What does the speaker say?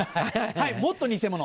はいもっと偽物！